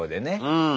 うん。